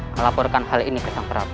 melaporkan hal ini ke sang prabu